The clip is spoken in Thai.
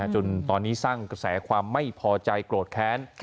จนตอนนี้สร้างกระแสความไม่พอใจโกรธแค้น